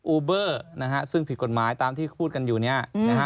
อูเบอร์ซึ่งผิดกฏหมายตามที่พูดกันอยู่นี้